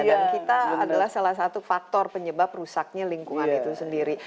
dan kita adalah salah satu faktor penyebab rusaknya lingkungan itu sendiri